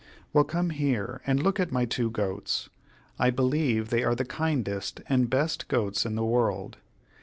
"Well, come here and look at my two goats. I believe they are the kindest and best goats in the world.